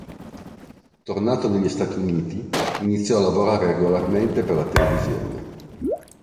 Tornato negli Stati Uniti, iniziò a lavorare regolarmente per la televisione.